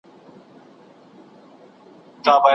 ايا ته کار کوې؟